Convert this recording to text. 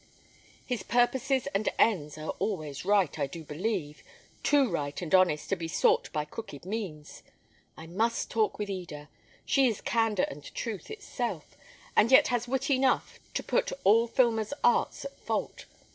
His purposes and ends are always right, I do believe: too right and honest to be sought by crooked means. I must talk with Eda; she is candour and truth itself, and yet has wit enough to put all Filmer's arts at fault.